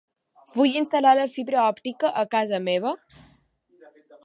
Vull instal·lar la fibra òptica a casa meva?